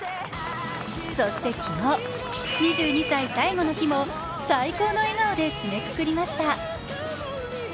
そして昨日、２２歳最後の日も最高の笑顔で締めくくりました。